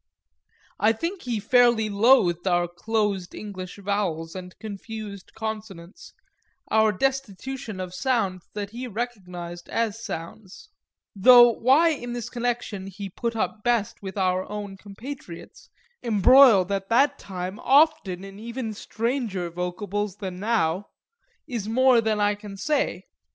I think he fairly loathed our closed English vowels and confused consonants, our destitution of sounds that he recognised as sounds; though why in this connection he put up best with our own compatriots, embroiled at that time often in even stranger vocables than now, is more than I can say.